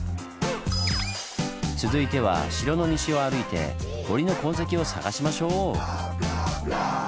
続いては城の西を歩いて堀の痕跡を探しましょう！